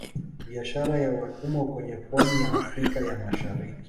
Biashara ya watumwa kwenye pwani ya Afrika ya Mashariki